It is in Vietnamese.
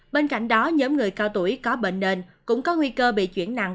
bên cạnh đó nhóm người cao tuổi có bệnh nền cũng có nguy cơ bị chuyển nặng